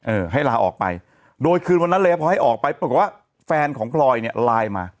เออให้ลาออกไปโดยคืนวันนั้นเลยพอให้ออกไปปรากฏว่าแฟนของพลอยเนี่ยไลน์มา